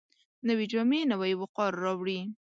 نوې جامې نوی وقار راوړي